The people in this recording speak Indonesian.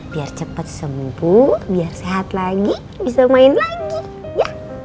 biar cepet sembuh biar sehat lagi bisa main lagi